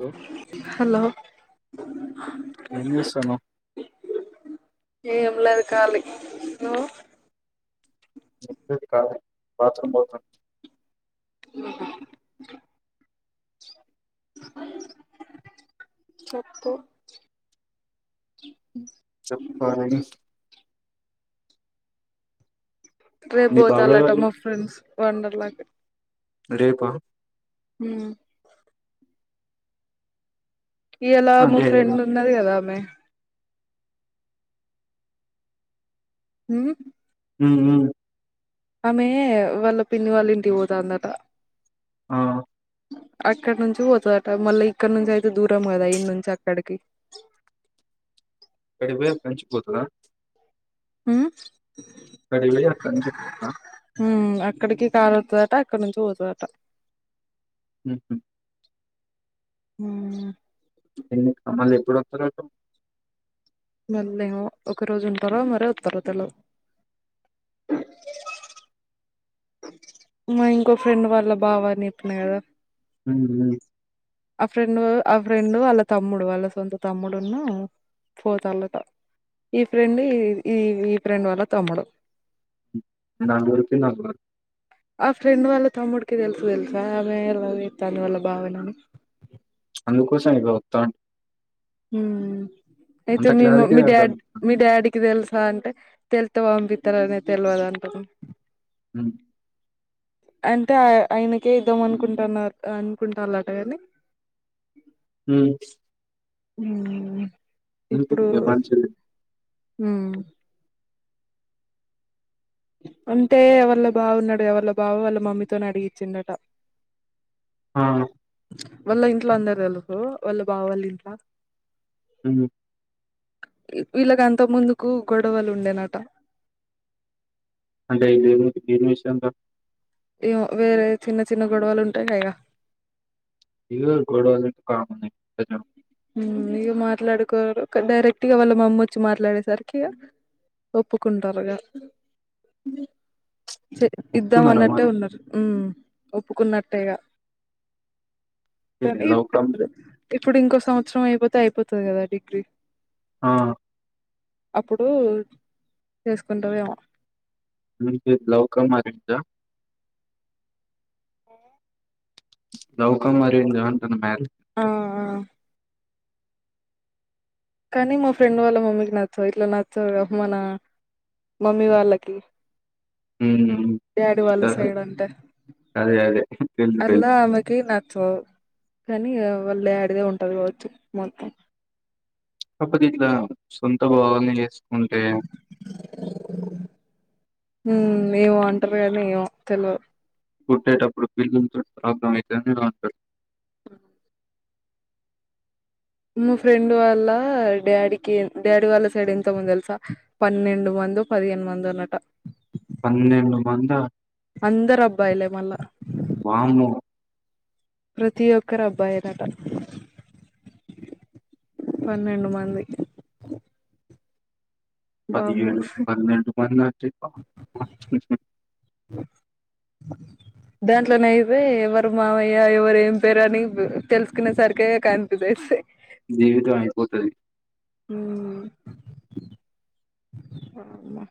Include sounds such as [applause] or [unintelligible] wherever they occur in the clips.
Hello hello ఏం చేస్తానావ్ ఏం లేదు కాలీ నువ్వు కాలే బాత్రూం పోతుంది ా చెప్పు చెప్పాలీ రేపు మీ బాబాయ్ పోతాలట వాళ్ళు మా ఫ్రెండ్స్ వండర్లాకి రేపా ఉమ్ ఇయల అంటే మా ఫ్రెండ్ ఎల్లుండా ఉన్నది కదా ఆమె ఉహ్మ్ ఉహ్మ్ ఆమే వాళ్ళ పిన్ని వాళ్ళ ఇంటికి పోతాందట ఆ అక్కడ నుంచి పోతదట మళ్ళ ఇక్కడ నుంచి అయితే దూరం కదా ఇడ్ నుంచి అక్కడికి ఇవే పెంచిపోతర ఉమ్ రోజు అక్కడ నుంచి వెళ్తాద అక్కడికి కారు వతదంటా అక్కడ నుంచి పోతుందట ఉహ్మ్ ఉమ్ ఎందక్క మల్ల ఎప్పుడు వస్తారు అట్టు మళ్ళ ఏమో ఒక రోజు ఉంటారో మరి వతారో తెల్వద్ మా ఇంకో ఫ్రెండ్ వాళ్ళ బావ అన్నట్టు మీరు ఉహ్మ్ ఆ ఫ్రెండ్ ఆ ఫ్రెండ్ వాళ్ళ తమ్ముడు వాళ్ళ సొంత తమ్ముడును పోతల్లట ఈ ఫ్రెండ్ ఈ ఈ ఫ్రెండ్ వాళ్ల తమ్ముడు నాలూరుకి నలుగురు ఆ ఫ్రెండ్ వాళ్ళ తమ్ముడికి తెలుసు తెలుసా నేను లవ్ చేతన వాళ్ల బావనని అందుకోసం ఇవి వాతాన్ అయితే అంత మీము మీ క్లారిటీగా అర్థం డాడ్ అవుతుంది. మీ డాడీకి తెలుసా అంటే తెల్తవా అనిపితంది తెల్వదంటున్రు ఉమ్ అంటే ఆయనకే ఇద్దామ అనుకుంటున్నారు అనుకుంటళ కాని ఉమ్ ఉమ్ ఎందుకు ఏమయింది చెల్లి ఉ అంటే వాళ్ళ బావున్నాడుగా వాళ్ళ బావ వాళ్ళ మమ్మీతోని అడిగిచ్చిడట ఆ వాళ్ళ ఇంట్లో అందరు తెలుహు వాళ్ళ బావొళ్ళింట్ల అ వీళ్ళక అంత ముందుకు గొడవలు ఉండేనట అంటే దేనిమీ దేని విష్యామ్లా ఏవొ వేరే చిన్న చిన్న గొడవలు ఉంటాయిగా ఇగ గోడలు కామనే [unintelligible] ఇగ మాట్లాడుకోరు డైరెక్ట్గా వాళ్ళ మమ్మచ్చి మాట్లాడేసరికిగ ఒప్పుకుంటారుగా చే ఇద్దాం ఒప్పుకున్నారా అన్నట్టే మరి ఉన్నారు ఉమ్ ఒప్పుకున్నట్టేగా ఇది కానీ లవ్ కమ్ ఇప్పుడు ఇంకో సంవత్సరం అయిపోతే అయిపోతది కదా డిగ్రీ ఆ అప్పుడు చేసుకుంటరెమో లవ్ కం అరెంజ్ ఆ ఉ లవ్ కం అరెంజ్ ఆ అంటున్న మ్యారే ఆ ఆ కానీ మా ఫ్రెండ్ వాళ్ళ మమ్మీకి నచ్చవ్ ఇట్లా నచ్చవు మన మమ్మీ వాళ్ళకి హ్మ్ డాడీ వాళ్ళ సైడ్ అంటే అదే అదే తెలుసు అల్ల తెలుసు అమెకి నచ్చదు కానీ ఇగ వాళ్ళ డాడిదే ఉంటది కావచ్చు మొత్తం కాపోతే ఇట్లా సొంత భావాలని చేసుకుంటే ఉమ్ ఏమో అంటారు గనీ ఏమో తెల్వద్ పుట్టేటప్పుడు పిల్లల్తోని ప్రాబ్లం అయితననె అంటార్ అ మా ఫ్రెండ్ వాళ్ళ డాడీకి డాడీ వాళ్ళ సైడ్ ఎంతమంది తెలుసా పన్నెండు మ మందో పదియేను మందోనట మంద అందరబ్బాయిలె మళ్ళ వామ్మో ప్రతి ఒక్కరు అబ్బాయేనట పన్నెండు మంది వామ్మో పదిఎడు పన్నేండు మందంటే దాంట్లోనే అయిపోయి ఎవరు మావయ్య ఎవరు ఏం పేరని తెలుసుకునే సరికె కనిపిస్ ఐతాయి జీవితం అయిపోతది ఉమ్ వామ్మ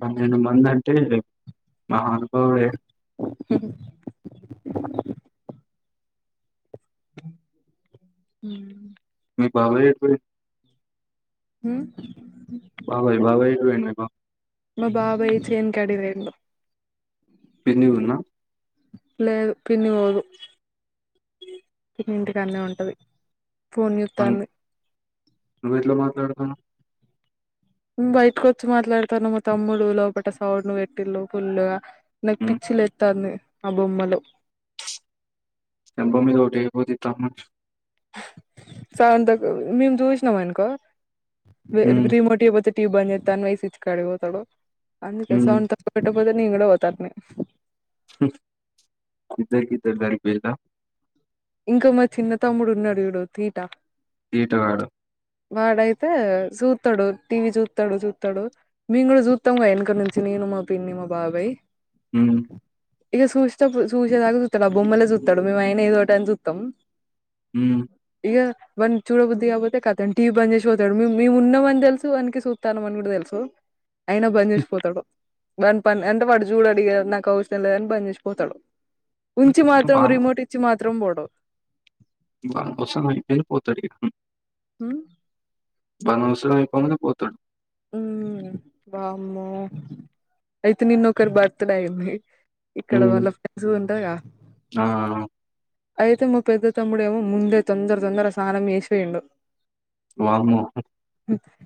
పన్నెండు మంది అంటే మహానుభావుడే ఉ ఉ మీ బబాయ్ ఎటు ఉ బబాయ్ బబాయ్ ఎట్ పోయిండు మా బాబాయ్ చేను కాడకి పోయిండు పిన్ని ఉన్నా లేదు పిన్ని పోదు పన్ని ఇంటికన్న ఉంటుంది ఫోన్ జుస్తాంది నువ్వు ఎట్లా మాట్లాడతనవ్ నేను బయటకు వచ్చి మాట్లాడతానా మా తమ్ముడు లోపట సౌడ్ను ఎట్టిల్ ఫుల్ గా నాకు పిచ్చి లేస్తది ఆ బొమ్మలు చెంప మీద ఒకటి పొతే ఇటు రమ్మను సౌండ్ తక్కువ మేం చూసినామనుకో హ్మ్ రిమోట్ టీవీ పనిచేస్తామని స్విచ్ కాడకి పోతాడు అందుకే హ్మ్ సౌండ్ తక్కువ నింగ్ కూడా పోతారునే ఇద్దరికి ఇద్దరు సరిపోయారా ఇంకా మా చిన్న తమ్ముడు ఉన్నాడు చూడు తీట ఈట గాడు వాడైతే చూస్తాడు టీవీ చూస్తాడు చూస్తాడు మేము కూడా చూస్తాము వెనక నుంచి నేను మా పిన్ని మా బాబాయ్ హుమ్ ఇక చూస్తే చూసేదాకా చూస్తాడు ఆ బొమ్మలే చూస్తాడు మేముయినా ఏదో ఒకటిని చూస్తాం హ్మ్ ఇగ వాని చూడ బుద్ధది కాకపోతే కథం టీవీ బంద్ చేసిపోతాడు మేము మేము ఉన్నామ అని తెలుసు అనకి చూతాం అని కూడా తెలుసు అయినా బంద్ చేసిపోతాడు బంద పని అంటే వాడు చూడు ఇగ నాకు అవసరం లేదని బని చేసిపోతాడు ఉంచి మాత్రం వాన్ రిమోట్ ఇచ్చి మాత్రం పోడూ వాళ్ళ కోస అయ్యిపోయింది పోతాడూ ఇగ హమ్ వానీ అవసరం అయిపోగానే పోతాడు ఉ వామ్మో అయితే నిన్న ఒకరు బర్త్ డే అయింది ఇక్కడ హ్మ్ వాళ్ళ ఫ్రెండ్స్ ఉంటాదిగా ఆ అయితే మా పెద్ద తమ్ముడు ఏమో ముందే తొందర తొందర స్నానం చేసి పోయిండు వామ్మో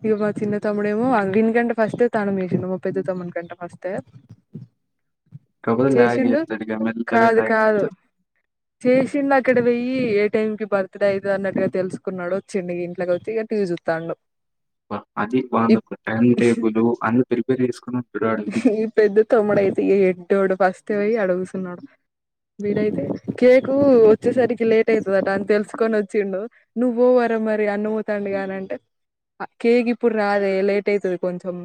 ఇక బ చిన్న తమ్ముడేమో ఇనికంటే ఫస్టే తన్నం చేసిండు మా పెద్ద తమ్ముడు కంటే ఫస్టే కాకపోతే లాగ్ చేసిండు చేత్తడు ఇగ మెల్లగా కాదు లాగ్ కాదు చేత్తడు చేసిండు అక్కడ పోయి ఏ టైం కి బర్త్ డే అయిదు అన్నట్టుగా తెలుసుకున్నాడు వచ్చిండు ఇంట్కి వచ్చి ఇ టీవి చూస్తాడు ఆ అదీ వాని టైం టేబుల్ అన్ని ప్రిపేర్ చేసుకుని ఉంటాడు వాడు పెద్దోడు ఫస్ట్ పోయి ఆడ కూసున్నాడు వీడైతే కేక్ వచ్చేసరికి లేట్ అవుతుందట అని తెలుసుకొని వచ్చిండు నువ్వు పో మరి అన్న పోతాడు అని అంటే కేక్ ఇప్పుడు రాదే లేట్ అయివుతుది కొంచెం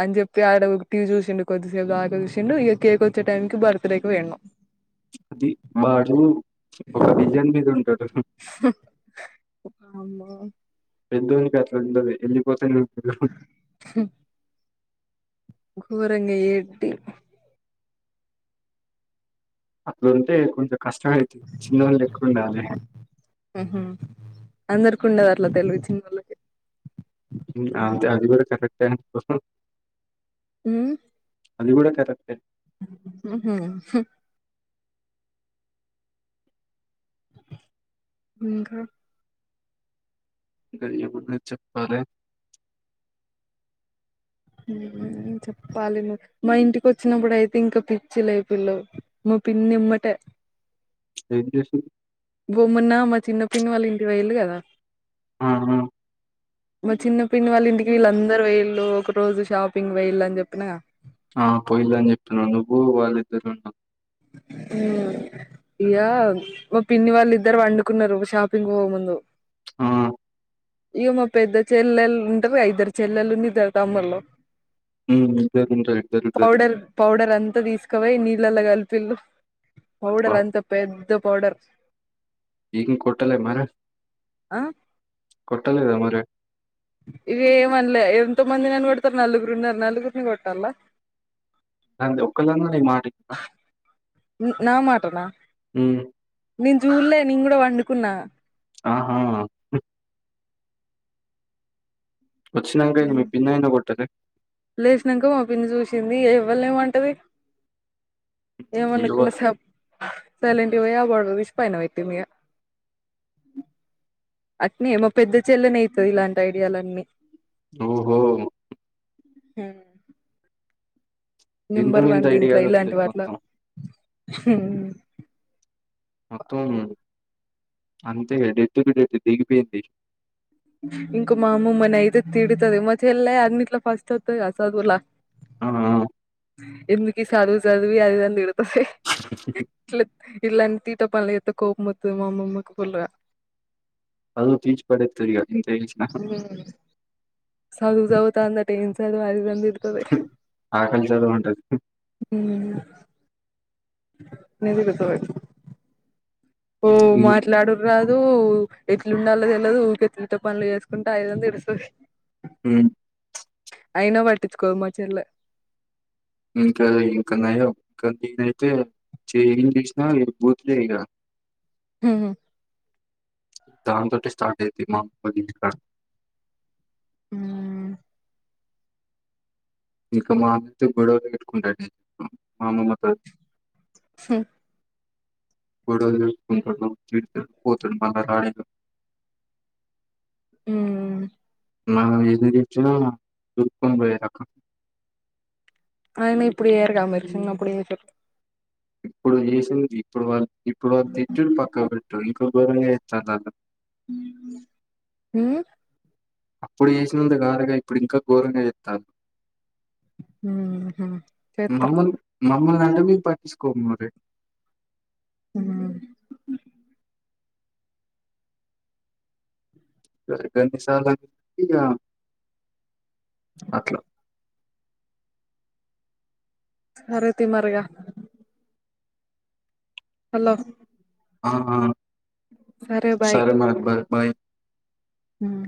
అని చెప్పి ఆక్కడ టీవి చూసిండు కొద్దిసేపు ఆడ చూసిండు ఇ కేక్ వచ్చే టైంకి బర్త్డేకి పోయిండు అది వాడు ఒక విజన్ మీద ఉంటారు అమ్మో పెద్దోనికి అట్లా ఉంటాది వెళ్ళపోత చూడు కూరంగా ఏంటి అట్లుంటే లేకుంటే కష్టపడుతుంది చిన్నగా లేకుండా ఆయనే ఉండేది అట్లా చిన్నోలకే అ అది కూడా కటకపోయినా ఉమ్ అది కూడా కరెక్టే ఉహుమ్ హు ఇంకా దయ కూడా చెప్పాలి చెప్పాలి మా ఇంటికి వచ్చినప్పుడు అయితే ఇంకా పిచ్చి లేపిలూ పడినమ్మాటే ఏం చేసినావ్ బొమ్మన్న మా చిన్నపిన్న వాళ్ళ ఇంటి వేయ్యలు కదా ఔను మా చిన్న పిన్న వాళ్ళ ఇంటికి వీళ్ళందరు పోయిలు ఒక రోజు షాపింగ్ వెయలి అని చెప్పిన కదా ఆ పోయిన్రు అని చెపునవ్ నువ్వు వాళ్ళిద్దరు వునవ్ ఊమ్ ఇయ్యా పిన్ని వాళ్ళు ఇద్దరు పండుకున్నారు ఒక షాపింగ్కి పోయే ముందు హ ఇయ్యో మా పెద్ద చెల్లెలు ఉంటారు ఇద్దరు చెల్లెలు ఇద్దరు తమ్ములు ఉమ్ ఇద్దరు ఉంటారు ఇద్దరు ఇద్దరు పౌడర్ పౌడర్ అంతా తీసుకపోయి నీళ్ళలో కలిపి పిల్లు బా పౌడర్ అంత పెద్ద పౌడర్ ఏం కొట్టాల మరి ఆ కొట్టాలేదా మరి ఇగ ఏమన్లే ఎంత మంది నన్ కొడతారు నలుగురున్నరు నలుగుర్ని కొట్టలా అ ఒక్కళ్ళన నీకు మట్టిచింర నా మాటనా నేను చూల్లే నేను కూడా పండుకున్నా ఆహా వచ్చినంగాకాయి ని మీ భిన్నాయిన కొట్టదే లేచినాక మా పిన్ని చూసింది ఎవ్వలేమంటది ఇవ ఏమనకుండా సప్ సైలెంట్ గా పోయి ఆ గొడవ తీసి పైనా పెట్టిందిగా అట్నే మా పెద్ద చెల్లెనే అయీతది ఇలాంటి ఐడియాలన్నీ ఓహో హ వింత నెంబర్ వింత వన్ దీంట్లో ఐడియాలు ఇలాంటి వస్తాయి వాట్ల మొత్తం మొత్తం అంతే డెట్కి పోయింది దిగిపోయింది ఇంకా మా అమమ్మనేతే తిడతది మా చెల్లై అన్నిట్ల ఫస్ట్ వస్తదిగా చదువుల అవునా ఎందుకి చదువు చదివి అది ఇది అని తీడతాది తీటప్పనులే ఏతే కోపం వస్తది మా అమమ్మకు ఫుల్లుగా అద తీచి పడేతురిగా నేను తేల్చనా చదువు చదువుతంది అటు ఏం చదువులు ఇది అని తిడ్ తది ఆకలి చదువు అంటది [unintelligible] ఉ మాట్లాడురు రాదు దు ఎట్లుండాలో తెలవదు ఉకీ ఇంట్లో పనులు చేసుకుంటే అద్ ఇద్ అని తీడతాది ఉమ్. అయినా పట్టించుకోదు మా చెల్లే. ఇంకా ఇంకాన్నాయం ఇంకాదీనైతే. ఏం చేసినా ఏడికి పోతలే ఇగ. ఉమ్. దాంతోంటే స్టార్ట్ అయిద్ది మా అమ్మమ్మమోల ఇంటి కాడ. ఉమ్. ఇంకా మా అమ్మతో గొడవలు పెట్టుకుంటాది మా అమ్మమ్మతోటి. ఉమ్. ఉంటాడు తిడతాడు పోతాడు మల్ల రాడు ఇక. ఉమ్. ఆహ్ ఎదురొచ్చినా చూసుకొని పోయే రకం. అయినా ఇప్పుడు చేయరు కదా చిన్నప్పుడు చేసిండ్రు. ఇప్పుడు చేసింది ఇప్పుడు వాళ్ళ ఇప్పుడు వాళ్ళ తిట్టులు పక్కన పెట్టు. ఇప్పుడు బోనిగా చేస్తుండటా. ఉమ్ ఉమ్. ఇప్పుడు చేసినంత కాదుగా ఇప్పుడు ఇంకా ఘోరంగా ఎత్తాండు. మ్మ్ చేత్తరు మమ్మల్ మమ్మల్ననంది పాయింట్. తీసుకో మరి. ఉమ్. ఇప్పుడు ఎన్నిసార్లు అయ్యింది ఇగ అట్లా. సరే తిన్నారుగా. హలో. ఆహ్ సరే మరి బ బాయ్. ఉమ్.